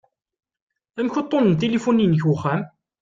Amek uṭṭun n tilifu-inek n uxxam?